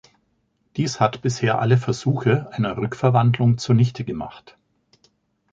Dies hat bisher alle Versuche einer Rückverwandlung zunichtegemacht.